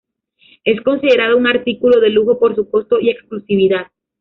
Es considerado un artículo de lujo por su costo y exclusividad.